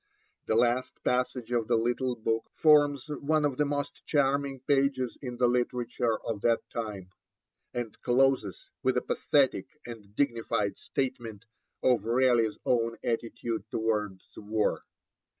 The last passage of the little book forms one of the most charming pages of the literature of that time, and closes with a pathetic and dignified statement of Raleigh's own attitude towards war.